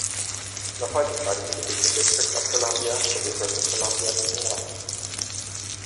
Noch heute tragen die Gebiete District of Columbia sowie British Columbia diesen Namen.